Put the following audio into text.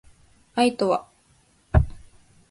愛とは